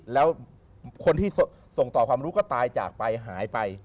แล้วคนที่ส่งต่อความรู้ก็ตายจากไปหายไป